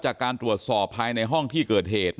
จากการตรวจสอบภายในห้องที่เกิดเหตุ